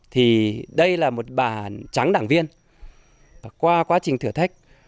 thì đây là một bà trắng đảng viên qua quá trình thử thách